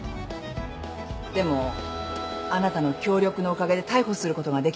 でもあなたの協力のおかげで逮捕することができた。